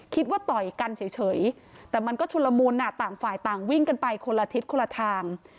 ต่อยกันเฉยแต่มันก็ชุนละมุนต่างฝ่ายต่างวิ่งกันไปคนละทิศคนละทาง